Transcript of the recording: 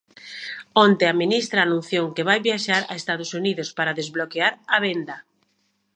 Onte a ministra anunciou que vai viaxar a Estados Unidos para desbloquear a venda.